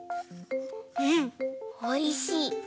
うんおいしい。